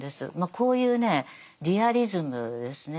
こういうねリアリズムですね。